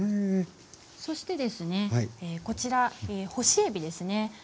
そしてですねこちら干しえびですね。